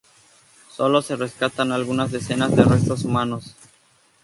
Solo se rescatan algunas decenas de restos humanos.